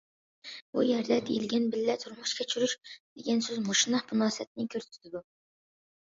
بۇ يەردە دېيىلگەن‹‹ بىللە تۇرمۇش كەچۈرۈش›› دېگەن سۆز مۇشۇنداق مۇناسىۋەتنى كۆرسىتىدۇ.